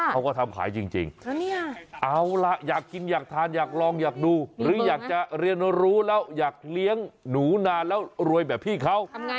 เขาก็ทำขายจริงเอาล่ะอยากกินอยากทานอยากลองอยากดูหรืออยากจะเรียนรู้แล้วอยากเลี้ยงหนูนานแล้วรวยแบบพี่เขา